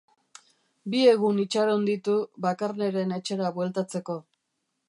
Bi egun itxaron ditu Bakarneren etxera bueltatzeko.